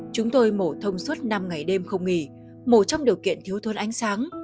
chúng tôi mổ thông suốt năm ngày đêm không nghỉ mổ trong điều kiện thiếu thốn ánh sáng